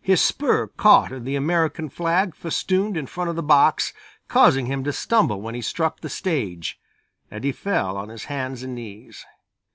His spur caught in the American flag festooned in front of the box, causing him to stumble when he struck the stage, and he fell on his hands and knees.